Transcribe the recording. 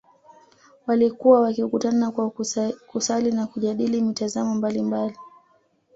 Walikuwa wakikutana kwa kusali na kujadili mitazamo mbalimbali